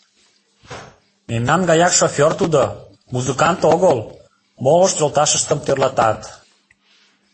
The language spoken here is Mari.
— Мемнан гаяк шофёр тудо, музыкант огыл! — молышт йолташыштым тӧрлатат.